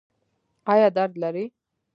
ایا درد لرئ؟